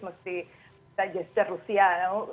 jadi kita gesture rusia